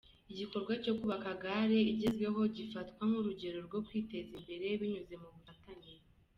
Igikorwa cyo kubaka gare igezweho gifatwa nk’urugero rwo kwiteza imbere binyuze mu bufatanye.